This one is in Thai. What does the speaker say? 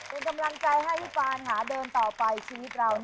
ต้องกำลังจัยให้พี่ปานหาเพิ่งเดินต่อไปชีวิต